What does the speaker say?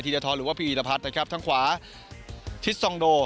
ทีรทธรรมหรือว่าพีรพัทท์นะครับทางขวาทิศทรงโด